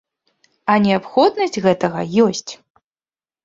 А неабходнасць гэтага ёсць!